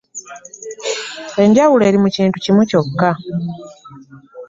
Enjawulo eri mu kintu kimu kyokka.